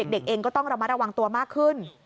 เด็กเองก็ต้องระมัดระวังตัวมากขึ้น